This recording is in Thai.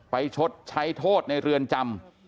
ชดใช้โทษในเรือนจำ